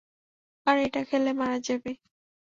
আর এটা খেলে, মারা যাবি।